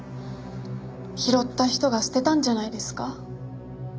拾った人が捨てたんじゃないですか？